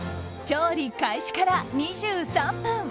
調理開始から２３分。